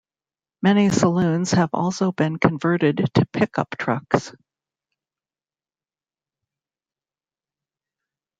Many saloons have also been converted to pickup trucks.